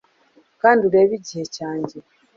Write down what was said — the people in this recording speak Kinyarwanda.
kandi urebe igihe cyanjye